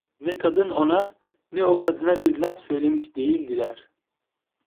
Ne kadın ona, ne o kadına bir laf söylemiş değildiler.